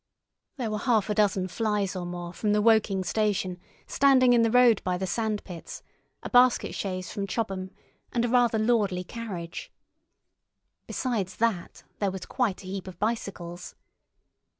There were half a dozen flys or more from the Woking station standing in the road by the sand pits, a basket chaise from Chobham, and a rather lordly carriage. Besides that, there was quite a heap of bicycles.